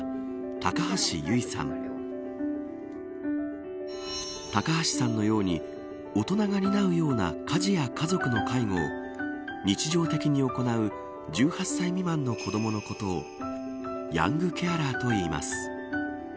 高橋さんのように大人が担うような家事や家族の介護を日常的に行う１８歳未満の子どものことをヤングケアラーといいます。